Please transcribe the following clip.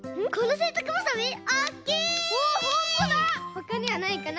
ほかにはないかな？